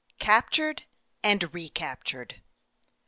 CAPTURED AND RECAPTURED.